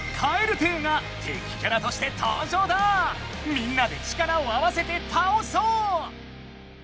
みんなで力を合わせてたおそう！